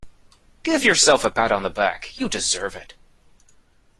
Give yourself a pat on the back, you deserve it.